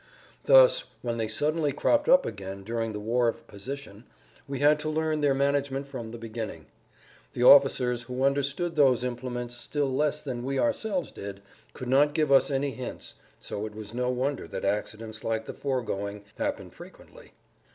Thus, when they suddenly cropped up again during the war of position, we had to learn their management from the beginning. The officers, who understood those implements still less than we ourselves did, could not give us any hints, so it was no wonder that accidents like the foregoing happened frequently.